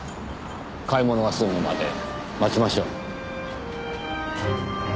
買い物が済むまで待ちましょう。